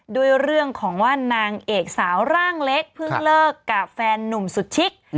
ด้วยเรื่องของว่านางเอกสาวร่างเล็กเพิ่งเลิกกับแฟนนุ่มสุดชิค